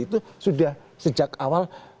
itu sudah sejak awal